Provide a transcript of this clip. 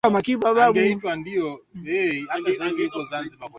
Mtoto wangu anapenda masomo